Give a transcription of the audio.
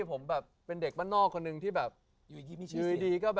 ผมเป็นเด็กบ้านนอกคนดี